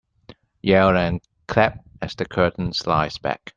Yell and clap as the curtain slides back.